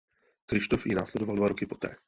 Kryštof ji následoval dva roky poté.